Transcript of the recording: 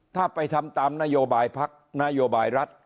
ถ้าไปทำตามนโยบายพักนโยบายรัฐ